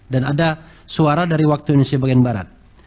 dan ada suara dari waktu indonesia bagian barat